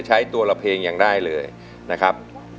ใช้ตัวละเพลงยังได้เลยนะครับ